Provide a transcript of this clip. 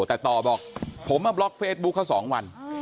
แต่ต่อบอกผมมาบล็อกเฟซบุ๊คเขา๒วัน